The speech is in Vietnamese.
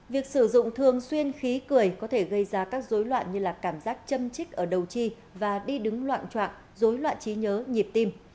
việc sử dụng thường xuyên khí cười có thể gây ra các dối loạn như là cảm giác châm trích ở đầu chi và đi đứng loạn trạng dối loạn trí nhớ nhịp tim